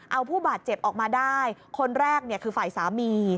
เอาผู้บาดเจ็บออกมาได้คนแรกคือฝ่ายสามี